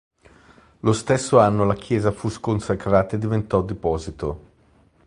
Nello stesso anno la chiesa fu sconsacrata e diventò deposito.